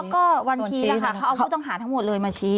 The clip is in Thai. ก็บัญชีล่ะค่ะเขาเอาผู้ต้องหาทั้งหมดเลยมาชี้